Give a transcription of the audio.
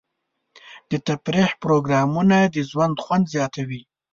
د تفریح پروګرامونه د ژوند خوند زیاتوي.